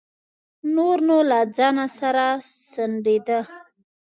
نور نو له ځانه سره سڼېده.